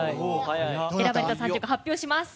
選ばれた３曲を発表します。